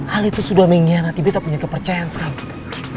alit tuh sudah mengkhianati beta punya kepercayaan sekarang